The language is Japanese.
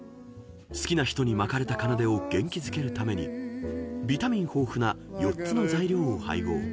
［好きな人に撒かれたかなでを元気づけるためにビタミン豊富な４つの材料を配合］